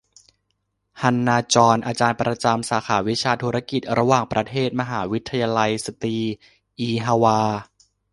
ฮันนา จ็อน อาจารย์ประจำสาขาวิชาธุรกิจระหว่างประเทศ มหาวิทยาลัยสตรีอีฮวา